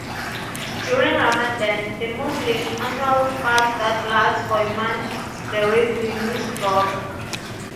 During Ramadan, the Muslims' annual fast that lasts for a month, the revenues drop.